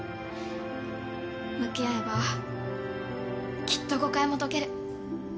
向き合えばきっと誤解も解ける。